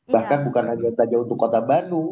bahkan bukan hanya saja untuk kota bandung